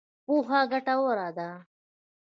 پوهه ګټوره ده.